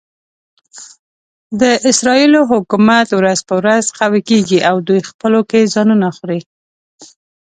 د اسرایلو حکومت ورځ په ورځ قوي کېږي او دوی خپلو کې ځانونه خوري.